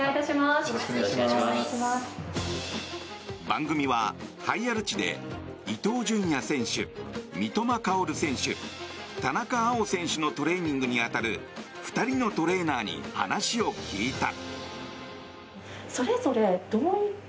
番組はハイアルチで伊東純也選手、三笘薫選手田中碧選手のトレーニングに当たる２人のトレーナーに話を聞いた。